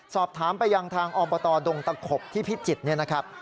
สอบถามไปยังทางอบตดงตะขบที่พิจิตรเนี่ยนะครับ